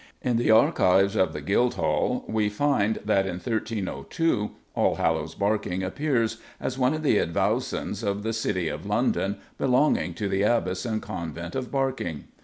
In the archives of the Guildhall we find that in 1302 Allhallows Barking appears as one of the advowsons of the City of London belonging to the Abbess and Convent of Barking.